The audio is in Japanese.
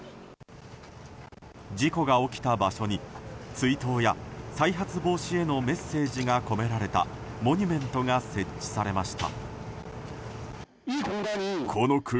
事故が起きた場所に追悼や再発防止へのメッセージが込められたモニュメントが設置されました。